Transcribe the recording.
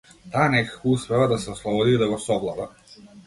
Таа некако успева да се ослободи и да го совлада.